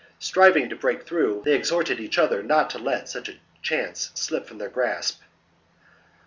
Striving to break through, they exhorted each other not to let such a chance slip from their grasp.